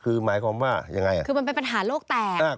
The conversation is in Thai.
คือมันเป็นปัญหาโลกแตก